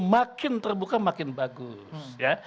makin terbuka makin bagus